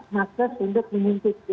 masker untuk mengintip